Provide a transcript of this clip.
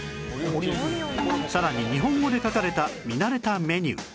さらに日本語で書かれた見慣れたメニュー